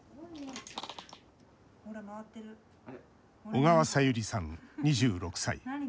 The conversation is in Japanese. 小川さゆりさん、２６歳。